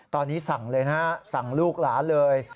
ตอนนี้สั่งเลยนะฮะสั่งลูกหลานเลย